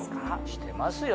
してますよ